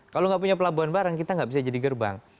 kalau nggak punya pelabuhan barang kita nggak bisa jadi gerbang